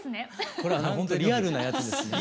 これほんとリアルなやつですね。